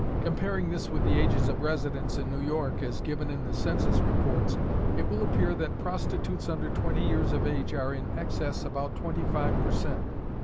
Comparing this with the ages of residents in New York as given in the Census Reports, it will appear that prostitutes under twenty years of age are in excess about twenty five per cent.